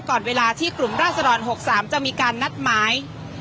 ก่อนเวลาที่กลุ่มราศดร๖๓จะมีการนัดหมาย